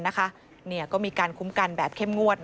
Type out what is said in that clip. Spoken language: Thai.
ก็มีการคุ้มกันแบบเข้มงวด